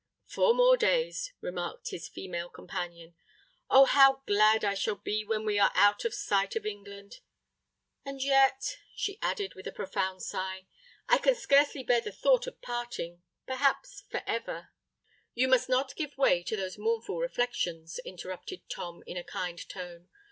"Four more days," remarked his female companion. "Oh! how glad I shall be when we are out of sight of England! And yet," she added, with a profound sigh, "I can scarcely bear the thought of parting—perhaps for ever——" "You must not give way to those mournful reflections," interrupted Tom, in a kind tone.